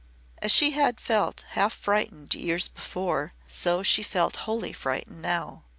As she had felt half frightened years before, so she felt wholly frightened now.